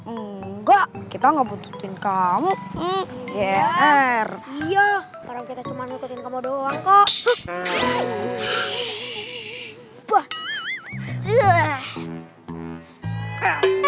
enggak kita nggak butuhin kamu er iya orang kita cuma ngebutin kamu doang kok